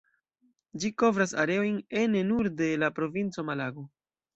Ĝi kovras areojn ene nur de la provinco Malago.